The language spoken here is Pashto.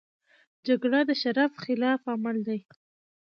جګړه د شرف خلاف عمل دی